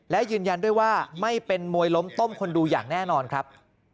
และยืนยันด้วยว่าไม่เป็นมวยล้มต้มคนดูอย่างแน่นอนครับ